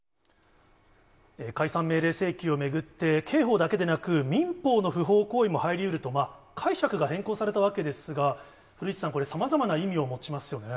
解散命令請求を巡って、刑法だけでなく、民法の不法行為も入りうると、解釈が変更されたわけですが、古市さん、これ、さまざまな意味を持ちますよね。